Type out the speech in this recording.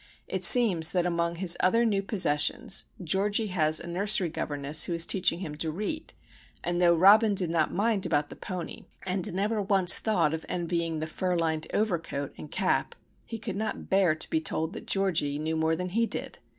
It seems that among his other new possessions Georgie has a nursery governess who is teaching him to read, and though Robin did not mind about the pony, and never once thought of envying the fur lined overcoat and cap, he could not bear to be told that Georgie knew more than he did!